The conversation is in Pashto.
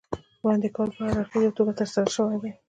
وړاندې کول په هراړخیزه توګه ترسره شوي دي.